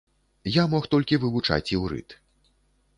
Я мог толькі вывучаць іўрыт.